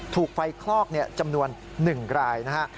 ถูกไฟคลอกจำนวน๑รายนะฮะ